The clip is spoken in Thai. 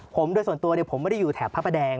ผมโดยส่วนตัวเนี่ยผมไม่ได้อยู่แถบภาพแดง